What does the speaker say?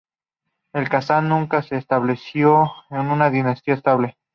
En Kazán nunca se estableció una dinastía estable.